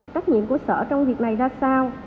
cách nhiệm của sở trong việc này là sao